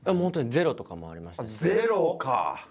ゼロもありました。